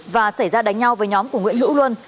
và xảy ra đánh nhau với nhóm của nguyễn hữu luân